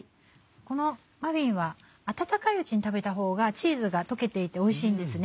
このマフィンは温かいうちに食べたほうがチーズが溶けていておいしいんです。